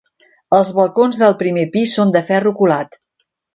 Els balcons del primer pis són de ferro colat.